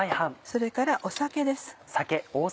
それから酒です。